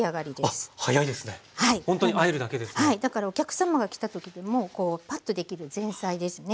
だからお客さまが来た時でもこうパッとできる前菜ですね